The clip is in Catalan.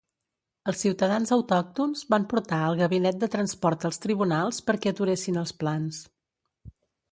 Els ciutadans autòctons van portar el Gabinet de Transport als tribunals perquè aturessin els plans.